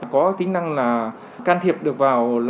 có tính năng là can thiệp được vào